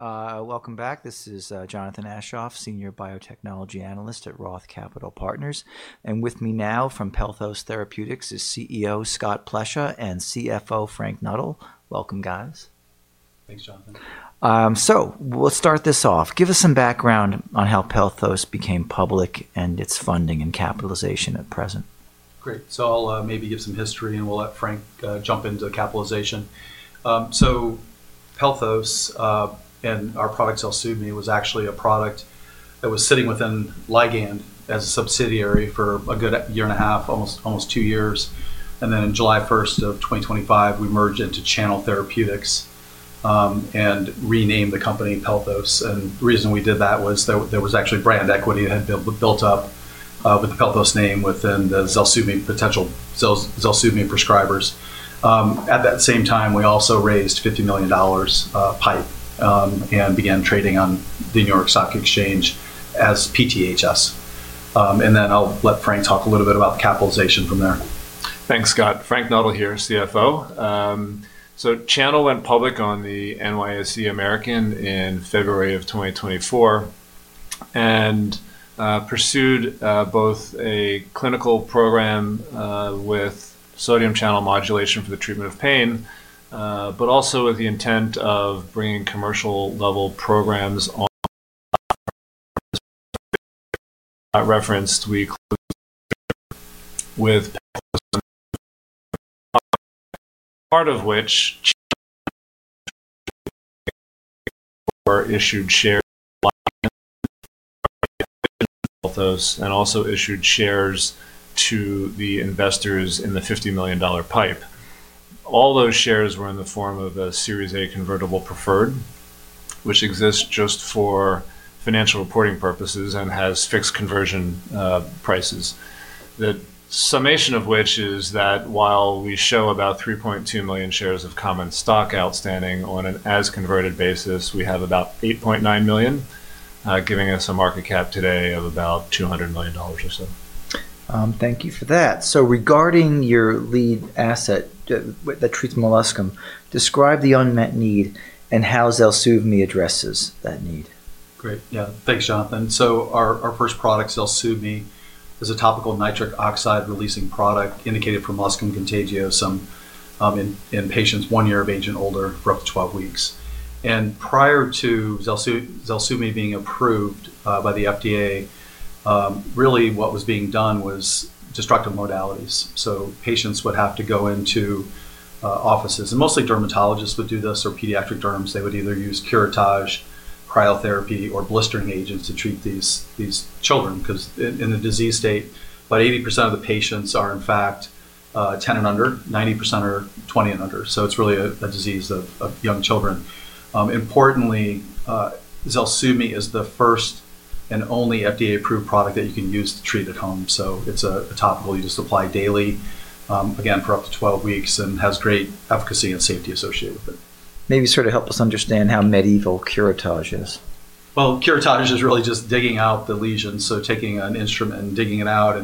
Welcome back. This is Jonathan Aschoff, Senior Biotechnology Analyst at Roth Capital Partners. With me now from Pelthos Therapeutics is CEO Scott Plesha and CFO Frank Knuettel II. Welcome, guys. Thanks, Jonathan. We'll start this off. Give us some background on how Pelthos became public and its funding and capitalization at present. Great. I'll maybe give some history, and we'll let Frank jump into the capitalization. Pelthos and our product, ZELSUVMI, was actually a product that was sitting within Ligand as a subsidiary for a good year and a half, almost two years. Then on July 1st, 2025, we merged into Channel Therapeutics and renamed the company Pelthos. The reason we did that was there was actually brand equity that had built up with the Pelthos name within the ZELSUVMI potential ZELSUVMI prescribers. At that same time, we also raised $50 million PIPE and began trading on the New York Stock Exchange as PTHS. Then I'll let Frank talk a little bit about the capitalization from there. Thanks, Scott. Frank Knuettel II here, CFO. Channel went public on the NYSE American in February of 2024 and pursued both a clinical program with sodium channel modulation for the treatment of pain, but also with the intent of bringing commercial products, part of which we issued shares and also issued shares to the investors in the $50 million PIPE. All those shares were in the form of a Series A convertible preferred, which exists just for financial reporting purposes and has fixed conversion prices. The summation of which is that while we show about 3.2 million shares of common stock outstanding on an as-converted basis, we have about 8.9 million, giving us a market cap today of about $200 million or so. Thank you for that. Regarding your lead asset that treats molluscum, describe the unmet need and how ZELSUVMI addresses that need? Great. Yeah. Thanks, Jonathan. Our first product, ZELSUVMI, is a topical nitric oxide releasing product indicated for molluscum contagiosum in patients one year of age and older for up to 12 weeks. Prior to ZELSUVMI being approved by the FDA, really what was being done was destructive modalities. Patients would have to go into offices, and mostly dermatologists would do this or pediatric derms. They would either use curettage, cryotherapy, or blistering agents to treat these children because in a disease state, about 80% of the patients are in fact 10 and under, 90% are 20 and under. It's really a disease of young children. Importantly, ZELSUVMI is the first and only FDA-approved product that you can use to treat at home, so it's a topical you just apply daily, again, for up to 12 weeks and has great efficacy and safety associated with it. Maybe sort of help us understand how mechanical curettage is? Well, curettage is really just digging out the lesions, so taking an instrument and digging it out.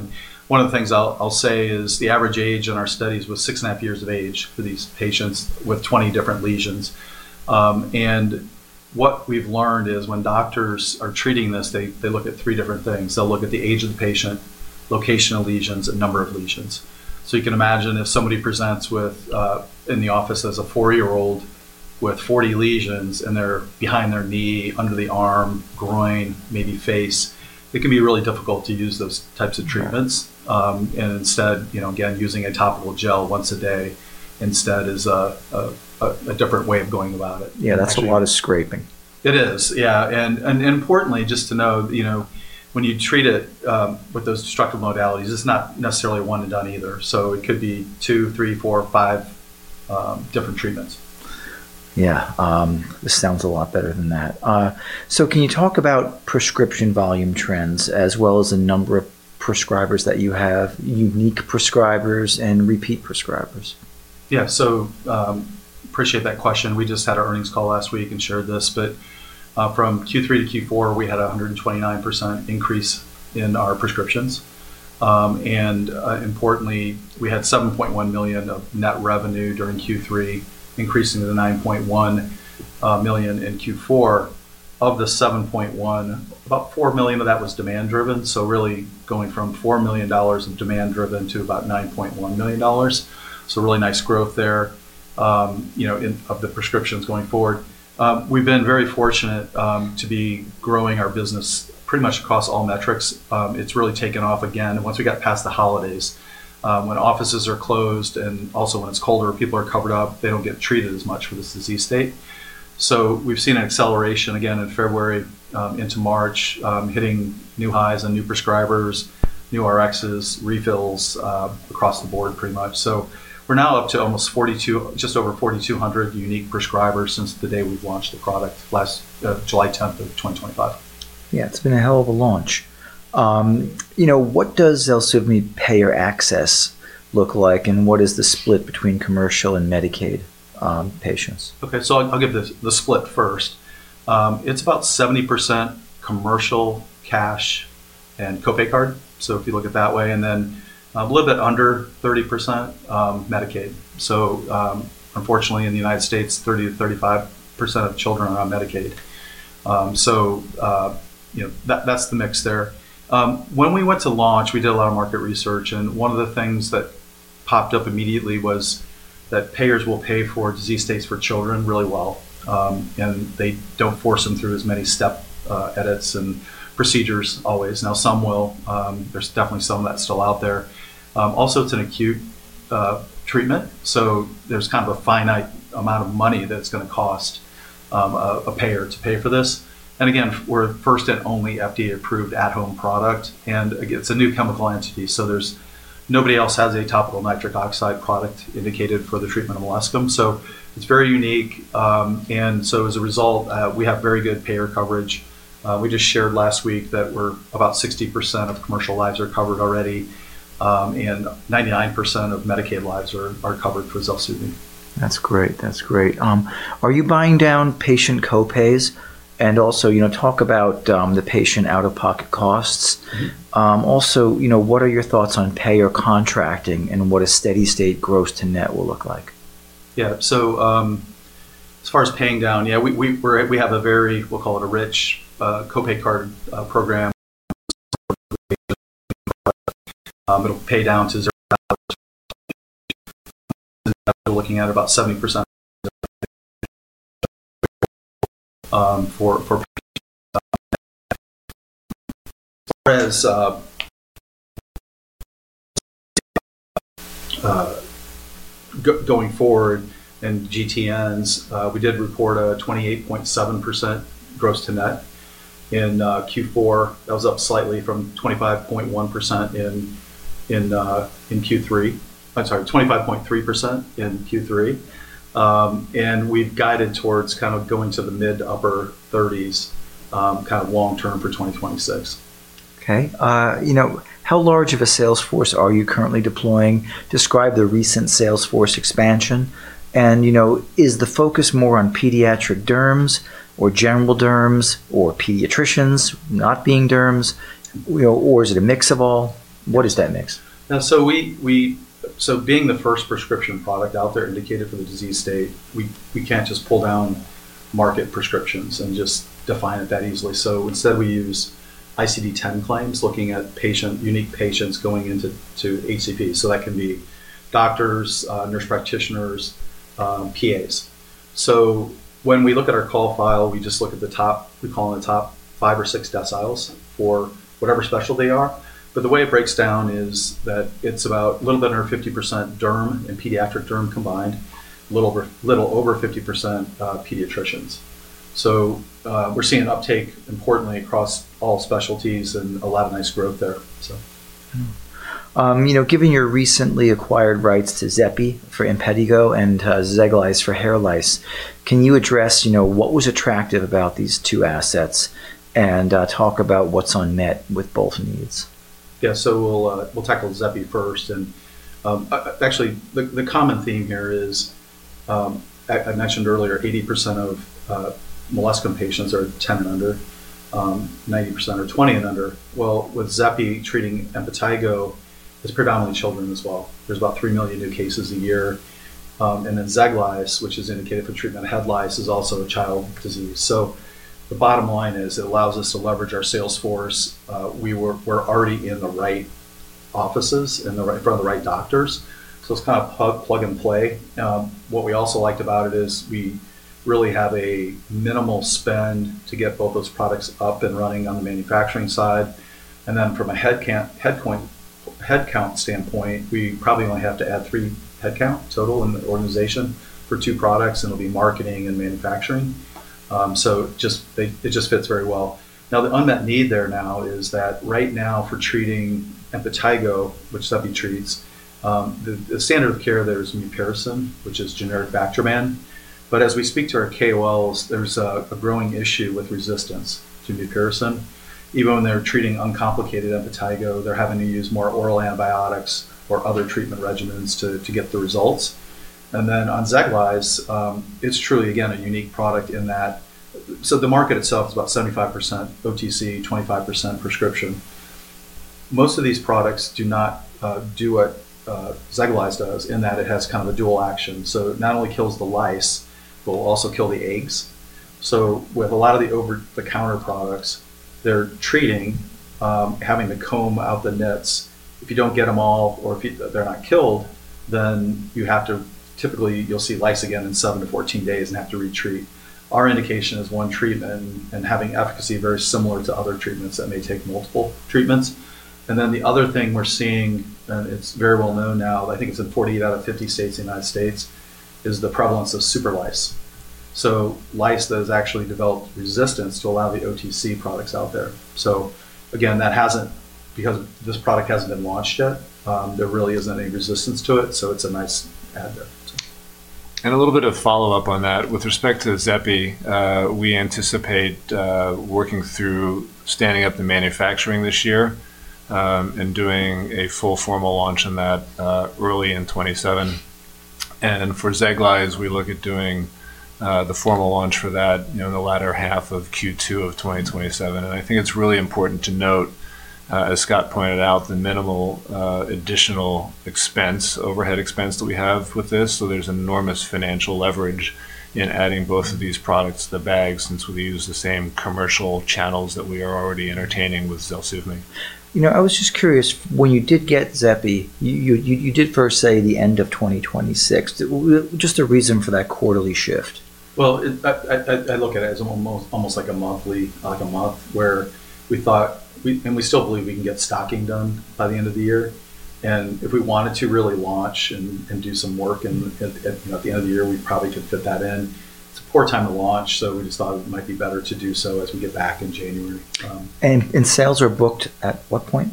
One of the things I'll say is the average age in our studies was 6.5 years of age for these patients with 20 different lesions. What we've learned is when doctors are treating this, they look at three different things. They'll look at the age of the patient, location of lesions, and number of lesions. You can imagine if somebody presents with, in the office as a four year-old with 40 lesions, and they're behind their knee, under the arm, groin, maybe face, it can be really difficult to use those types of treatments. Instead, you know, again, using a topical gel once a day instead is a different way of going about it. Yeah, that's a lot of scraping. It is, yeah. Importantly, just to know, you know, when you treat it with those destructive modalities, it's not necessarily one and done either. It could be two, three, four, five different treatments. Yeah. This sounds a lot better than that. Can you talk about prescription volume trends as well as the number of prescribers that you have, unique prescribers and repeat prescribers? Yeah. Appreciate that question. We just had our earnings call last week and shared this, but from Q3 to Q4, we had 129% increase in our prescriptions. Importantly, we had $7.1 million of net revenue during Q3, increasing to the $9.1 million in Q4. Of the $7.1 million, about $4 million of that was demand-driven, so really going from $4 million of demand-driven to about $9.1 million. Really nice growth there, you know, in terms of the prescriptions going forward. We've been very fortunate to be growing our business pretty much across all metrics. It's really taken off again once we got past the holidays, when offices are closed and also when it's colder, people are covered up, they don't get treated as much for this disease state. We've seen an acceleration again in February, into March, hitting new highs on new prescribers, new RXs, refills, across the board pretty much. We're now up to just over 4,200 unique prescribers since the day we've launched the product last July 10th, 2025. Yeah, it's been a hell of a launch. You know, what does ZELSUVMI payer access look like, and what is the split between commercial and Medicaid patients? Okay, I'll give the split first. It's about 70% commercial, cash and copay card, so if you look at that way, and then a little bit under 30%, Medicaid. Unfortunately in the United States, 30%-35% of children are on Medicaid. You know, that's the mix there. When we went to launch, we did a lot of market research, and one of the things that popped up immediately was that payers will pay for disease states for children really well, and they don't force them through as many step edits and procedures always. Now, some will. There's definitely some of that still out there. Also, it's an acute treatment, so there's kind of a finite amount of money that it's gonna cost a payer to pay for this. We're first and only FDA-approved at-home product, and again, it's a new chemical entity, so there's nobody else has a topical nitric oxide product indicated for the treatment of molluscum. It's very unique, and as a result, we have very good payer coverage. We just shared last week that we're about 60% of commercial lives are covered already, and 99% of Medicaid lives are covered for ZELSUVMI. That's great. Are you buying down patient copays? You know, talk about the patient out-of-pocket costs. Also, you know, what are your thoughts on payer contracting and what a steady state gross to net will look like? As far as paying down, we have a very, we'll call it a rich, copay card, program. It'll pay down to $0. We're looking at about 70%. As far as going forward and GTNs, we did report a 28.7% gross to net in Q4. That was up slightly from 25.1% in Q3. I'm sorry, 25.3% in Q3. We've guided towards kind of going to the mid- to upper 30s%, kind of long term for 2026. Okay. You know, how large of a sales force are you currently deploying? Describe the recent sales force expansion and, you know, is the focus more on pediatric derms or general derms or pediatricians not being derms, you know, or is it a mix of all? What is that mix? Being the first prescription product out there indicated for the disease state, we can't just pull down market prescriptions and just define it that easily. Instead, we use ICD-10 claims looking at unique patients going into HCPs. That can be doctors, nurse practitioners, PAs. When we look at our call file, we just look at the top, we call it the top five or six deciles for whatever specialty they are. The way it breaks down is that it's about a little bit under 50% derm and pediatric derm combined, a little over 50% pediatricians. We're seeing an uptake importantly across all specialties and a lot of nice growth there. You know, given your recently acquired rights to Xepi for impetigo and Zeglyze for head lice, can you address, you know, what was attractive about these two assets and talk about what's unmet with both needs? Yeah. We'll tackle Xepi first. Actually, the common theme here is I mentioned earlier, 80% of molluscum patients are 10 and under. 90% are 20 and under. With Xepi treating impetigo, it's predominantly children as well. There's about 3 million new cases a year. Then Xeglyze, which is indicated for treatment of head lice, is also a child disease. The bottom line is it allows us to leverage our sales force. We're already in the right offices in front of the right doctors, so it's kind of plug and play. What we also liked about it is we really have a minimal spend to get both those products up and running on the manufacturing side. From a headcount standpoint, we probably only have to add three headcount total in the organization for two products, and it'll be marketing and manufacturing. It just fits very well. The unmet need there now is that right now for treating impetigo, which Xepi treats, the standard of care there is mupirocin, which is generic Bactroban. As we speak to our KOLs, there's a growing issue with resistance to mupirocin. Even when they're treating uncomplicated impetigo, they're having to use more oral antibiotics or other treatment regimens to get the results. On Xeglyze, it's truly, again, a unique product in that the market itself is about 75% OTC, 25% prescription. Most of these products do not do what Xeglyze does in that it has kind of a dual action. It not only kills the lice, but will also kill the eggs. With a lot of the over-the-counter products, they're treating having to comb out the nits. If you don't get them all or if they're not killed, then typically you'll see lice again in 7-14 days and have to retreat. Our indication is 1 treatment and having efficacy very similar to other treatments that may take multiple treatments. Then the other thing we're seeing, and it's very well known now, I think it's in 48 out of 50 states in the United States, is the prevalence of super lice. Lice that has actually developed resistance to a lot of the OTC products out there. Again, because this product hasn't been launched yet, there really isn't any resistance to it, so it's a nice add there. A little bit of follow-up on that. With respect to Xepi, we anticipate working through standing up the manufacturing this year, and doing a full formal launch on that, early in 2027. For Xeglyze, we look at doing the formal launch for that, you know, in the latter half of Q2 of 2027. I think it's really important to note, as Scott pointed out, the minimal additional expense, overhead expense that we have with this. There's enormous financial leverage in adding both of these products to the bag since we use the same commercial channels that we are already entertaining with ZELSUVMI. You know, I was just curious, when you did get Xepi, you did first say the end of 2026. What is the reason for that quarterly shift. Well, I look at it as almost like a month where we thought and we still believe we can get stocking done by the end of the year. If we wanted to really launch and do some work, you know, at the end of the year, we probably could fit that in. It's a poor time to launch, so we just thought it might be better to do so as we get back in January. Sales are booked at what point?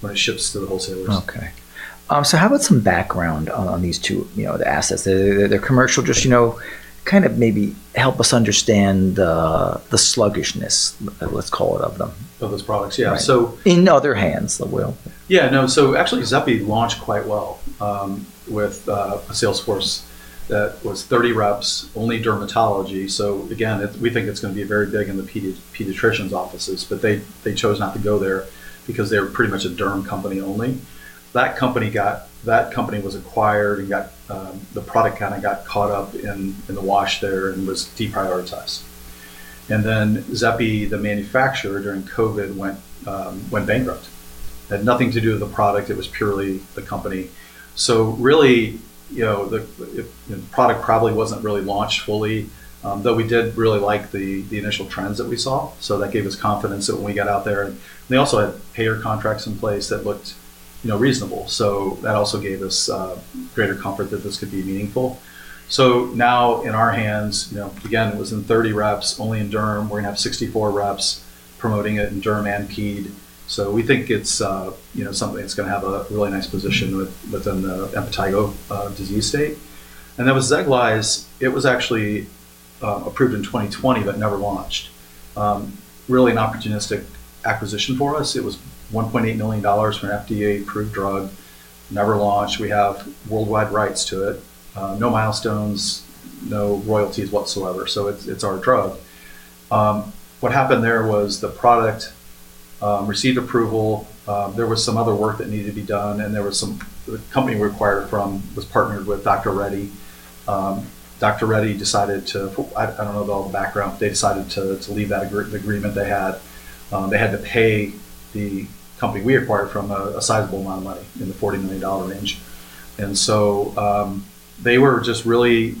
When it ships to the wholesalers. Okay. How about some background on these two, you know, the assets. The commercial, just, you know, kind of maybe help us understand the sluggishness, let's call it, of them. Of those products? Yeah. Right. So- In other hands, I will. Yeah, no. Actually, Xepi launched quite well with a sales force that was 30 reps, only dermatology. Again, it we think it's gonna be very big in the pediatricians' offices, but they chose not to go there because they were pretty much a derm company only. That company was acquired and the product kinda got caught up in the wash there and was deprioritized. Then Xepi, the manufacturer during COVID went bankrupt. It had nothing to do with the product. It was purely the company. Really, you know, the product probably wasn't really launched fully, though we did really like the initial trends that we saw. That gave us confidence that when we got out there and they also had payer contracts in place that looked, you know, reasonable. That also gave us greater comfort that this could be meaningful. Now in our hands, you know, again, it was in 30 reps, only in derm. We're gonna have 64 reps promoting it in derm and ped. We think it's, you know, something that's gonna have a really nice position within the impetigo disease state. Then with Xeglyze, it was actually approved in 2020 but never launched. Really an opportunistic acquisition for us. It was $1.8 million for an FDA-approved drug, never launched. We have worldwide rights to it, no milestones, no royalties whatsoever, so it's our drug. What happened there was the product received approval, there was some other work that needed to be done, and there was some. The company we acquired from was partnered with Dr. Reddy's. Dr. Reddy decided. I don't know about all the background, but they decided to leave that agreement they had. They had to pay the company we acquired from a sizable amount of money in the $40 million range. They were just really.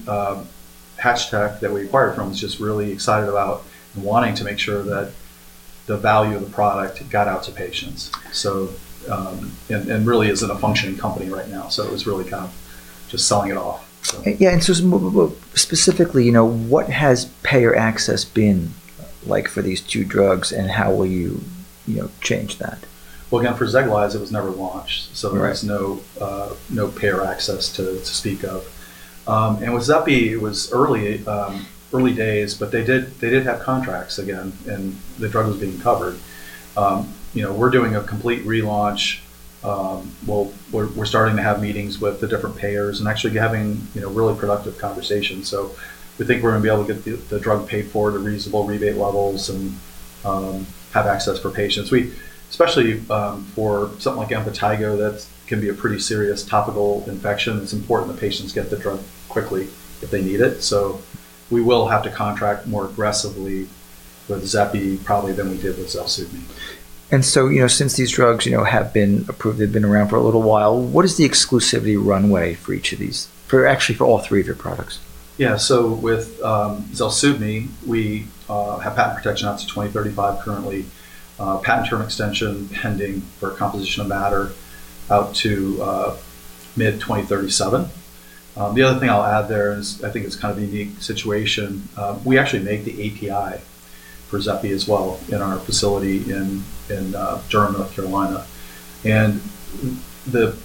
Hatchtech that we acquired from was just really excited about wanting to make sure that the value of the product got out to patients. Really isn't a functioning company right now. It was really kind of just selling it off. Yeah, specifically, you know, what has payer access been like for these two drugs, and how will you know, change that? Well, again, for Xeglyze, it was never launched. Right. There was no payer access to speak of. With Xepi, it was early days, but they did have contracts again, and the drug was being covered. You know, we're doing a complete relaunch. Well, we're starting to have meetings with the different payers and actually having really productive conversations. We think we're gonna be able to get the drug paid for at reasonable rebate levels and have access for patients. Especially for something like impetigo, that can be a pretty serious topical infection. It's important that patients get the drug quickly if they need it. We will have to contract more aggressively with Xepi probably than we did with Xeglyze. you know, since these drugs, you know, have been approved, they've been around for a little while, what is the exclusivity runway for each of these? For actually all three of your products? Yeah. With ZELSUVMI, we have patent protection out to 2035 currently. Patent term extension pending for composition of matter out to mid-2037. The other thing I'll add there is, I think it's kind of a unique situation. We actually make the API for Xepi as well in our facility in Durham, North Carolina. The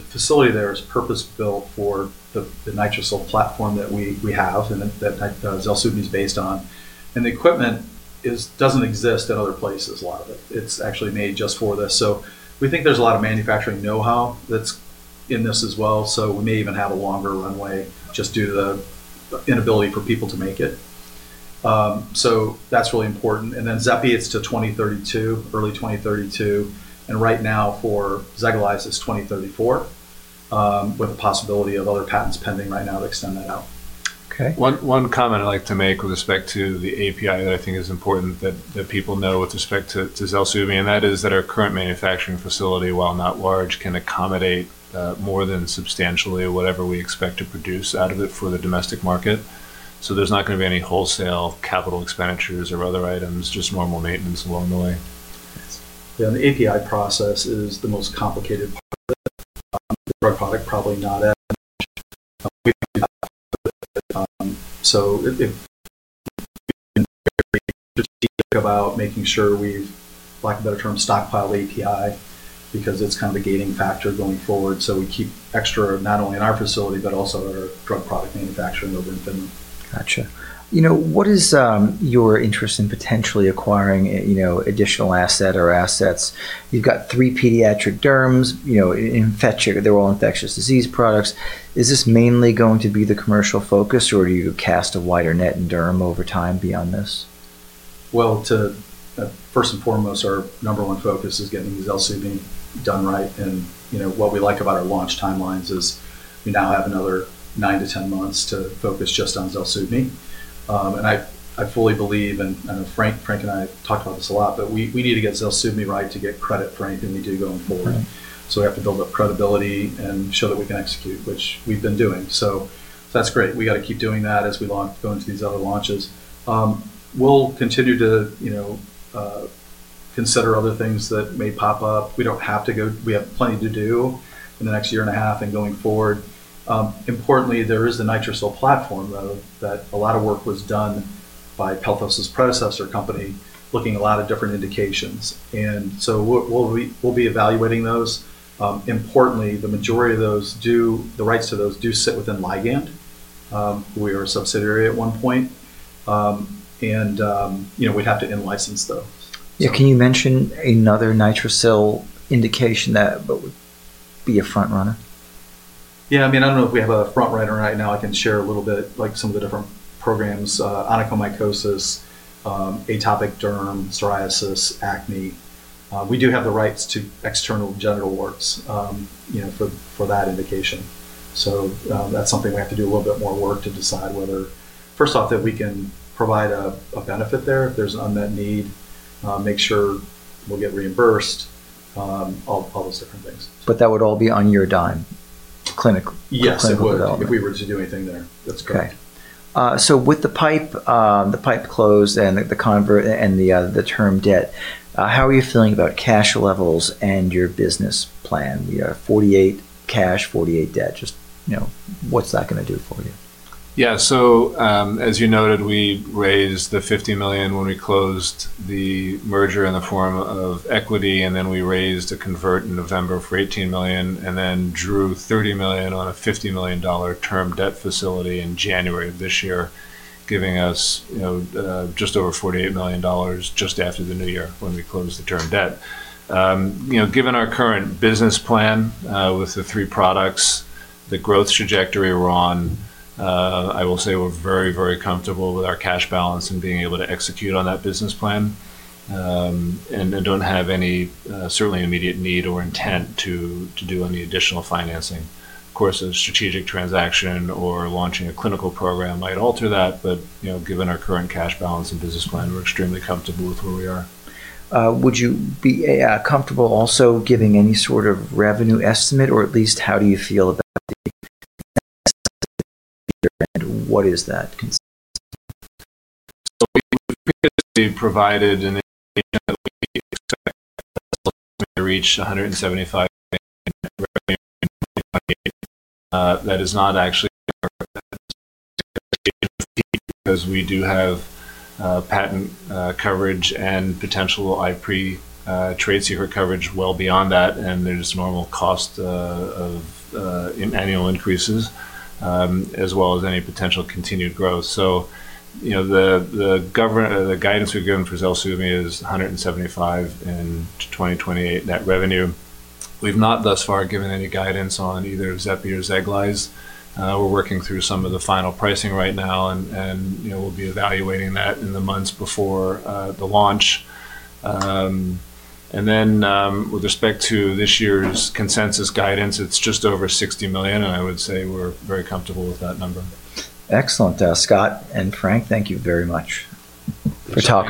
facility there is purpose-built for the NITRICIL platform that we have and that ZELSUVMI is based on. The equipment doesn't exist in other places, a lot of it. It's actually made just for this. We think there's a lot of manufacturing know-how that's in this as well, so we may even have a longer runway just due to the inability for people to make it. That's really important. Xepi, it's to 2032, early 2032. Right now for Xeglyze, it's 2034, with the possibility of other patents pending right now to extend that out. Okay. One comment I'd like to make with respect to the API that I think is important that people know with respect to Xeglyze, and that is that our current manufacturing facility, while not large, can accommodate more than substantially whatever we expect to produce out of it for the domestic market. There's not gonna be any wholesale capital expenditures or other items, just normal maintenance along the way. Nice. Yeah, the API process is the most complicated part of the drug product, probably not as much. We've been very strategic about making sure we've, lack of a better term, stockpiled API because it's kind of a gating factor going forward. We keep extra not only in our facility, but also at our drug product manufacturing building in Finland. Gotcha. You know, what is your interest in potentially acquiring a, you know, additional asset or assets? You've got three pediatric derms, you know, they're all infectious disease products. Is this mainly going to be the commercial focus, or do you cast a wider net in derm over time beyond this? Well, first and foremost, our number one focus is getting ZELSUVMI done right. You know, what we like about our launch timelines is we now have another 9-10 months to focus just on ZELSUVMI. I fully believe, and I know Frank and I talk about this a lot, but we need to get ZELSUVMI right to get credit for anything we do going forward. We have to build up credibility and show that we can execute, which we've been doing. That's great. We gotta keep doing that as we launch into these other launches. We'll continue to, you know, consider other things that may pop up. We don't have to go. We have plenty to do in the next year and a half and going forward. Importantly, there is the NITRICIL platform, though, that a lot of work was done by Pelthos' predecessor company, looking at a lot of different indications. We'll be evaluating those. Importantly, the majority of those, the rights to those, do sit within Ligand, who we were a subsidiary at one point. You know, we'd have to in-license those. Yeah. Can you mention another NITRICIL indication that would be a front-runner? Yeah. I mean, I don't know if we have a front-runner right now. I can share a little bit, like some of the different programs, onychomycosis, atopic dermatitis, psoriasis, acne. We do have the rights to external genital warts, you know, for that indication. That's something we have to do a little bit more work to decide whether, first off, that we can provide a benefit there, if there's unmet need, make sure we'll get reimbursed, all those different things. that would all be on your dime. Yes, it would. for clinical development. If we were to do anything there, that's correct. With the PIPE closed and the convertible and the term debt, how are you feeling about cash levels and your business plan? You know, $48 cash, $48 debt, just, you know, what's that gonna do for you? Yeah. As you noted, we raised $50 million when we closed the merger in the form of equity, and then we raised a convert in November for $18 million, and then drew $30 million on a $50 million term debt facility in January of this year, giving us, you know, just over $48 million just after the new year when we closed the term debt. You know, given our current business plan, with the three products, the growth trajectory we're on, I will say we're very, very comfortable with our cash balance and being able to execute on that business plan, and don't have any, certainly immediate need or intent to do any additional financing. Of course, a strategic transaction or launching a clinical program might alter that, but, you know, given our current cash balance and business plan, we're extremely comfortable with where we are. Would you be comfortable also giving any sort of revenue estimate, or at least how do you feel about the and what is that consensus? We've previously provided an indication that we expect to reach $175 million in revenue in 2028. That is not actually a cap because we do have patent coverage and potential IP trade secret coverage well beyond that, and there's normal cost of annual increases as well as any potential continued growth. You know, the guidance we've given for ZELSUVMI is $175 million in 2028 net revenue. We've not thus far given any guidance on either Xepi or Xeglyze. We're working through some of the final pricing right now, and we'll be evaluating that in the months before the launch. With respect to this year's consensus guidance, it's just over $60 million, and I would say we're very comfortable with that number. Excellent. Scott and Frank, thank you very much for talking.